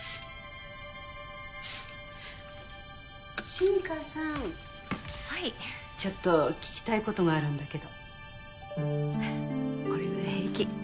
新川さんはいちょっと聞きたい事があるんだけどこれぐらい平気。